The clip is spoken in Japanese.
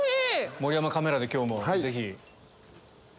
盛山カメラで今日もぜひ。